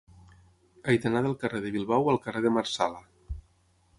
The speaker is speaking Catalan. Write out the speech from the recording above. He d'anar del carrer de Bilbao al carrer de Marsala.